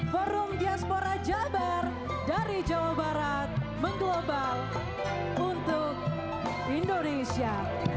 forum diaspora jabar dari jawa barat mengglobal untuk indonesia